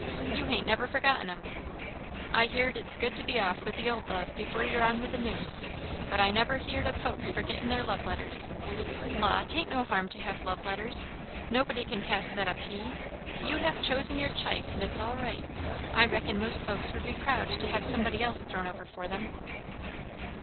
You hain't never forgotten 'em? I've heerd it's good to be off with the old love before you are on with the new; but I never heerd o' folks forgettin' their love letters. La, 'tain't no harm to have love letters. Nobody can cast that up to ye. You have chosen your ch'ice, and it's all right. I reckon most folks would be proud to have somebody else thrown over for them."